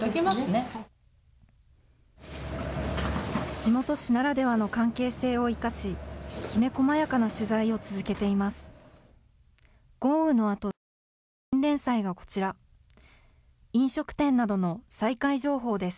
地元誌ならではの関係性を生かし、きめ細やかな取材を続けています。